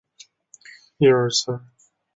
抗日战争结束后回到上海。